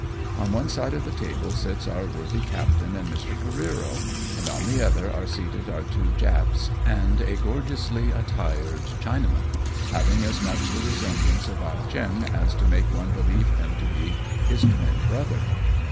On one side of the table sits our worthy captain and Mr. Careero, and on the other are seated our two Japs and a gorgeously attired Chinaman, having as much the resemblance of Ah Cheong as to make one believe him to be his twin brother.